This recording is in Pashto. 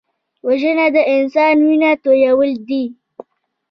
وژنه د انسان وینه تویول دي